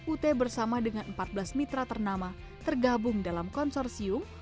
ut bersama dengan empat belas mitra ternama tergabung dalam konsorsium